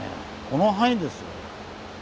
この範囲ですよ。